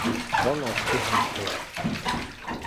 Կան ածխի հանքեր։